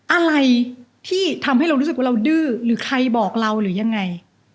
อะไรที่ทำให้เรารู้สึกว่าเราดื้อหรือใครบอกเราหรือยังไง